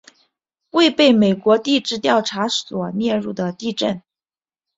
未被美国地质调查所列入的地震